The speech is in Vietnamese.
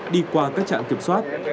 đi qua các trạng kiểm soát